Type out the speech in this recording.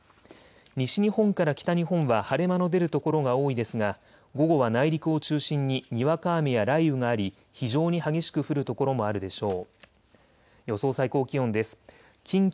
西日本から北日本は晴れ間の出る所が多いですが午後は内陸を中心ににわか雨や雷雨があり非常に激しく降る所もあるでしょう。